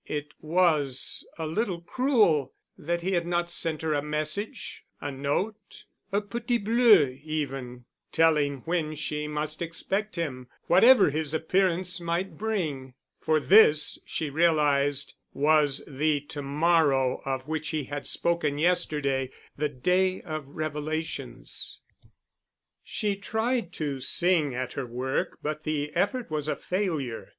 It was a little cruel that he had not sent her a message—a note, a petit bleu even, telling when she must expect him, whatever his appearance might bring. For this, she realized, was the "to morrow" of which he had spoken yesterday ... the day of revelations.... She tried to sing at her work but the effort was a failure.